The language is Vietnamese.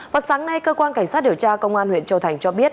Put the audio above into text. vào sáng nay cơ quan cảnh sát điều tra công an huyện châu thành cho biết